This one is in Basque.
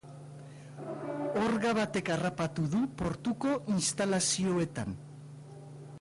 Orga batek harrapatu du portuko instalazioetan.